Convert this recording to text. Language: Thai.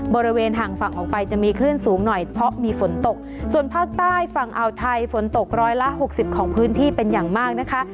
บริเวณห่างฝั่งออกไปจะมีคลื่นสูงหน่อยเพราะมีฝนตกส่วนภาคใต้ฝั่งอ่าวไทยฝนตกร้อยละหกสิบของพื้นที่เป็นอย่างมากนะคะ